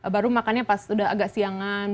baru makannya pas udah agak siangan